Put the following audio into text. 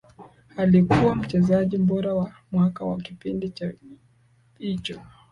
Alikuwa mchezaji bora wa mwaka kwa kipindi cha hicho